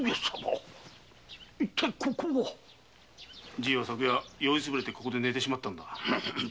じいは昨夜酔いつぶれてここで寝てしまったのだ。